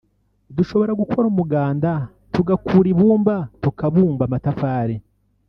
Dushobora gukora umuganda tugakura ibumba tukabumba amatafari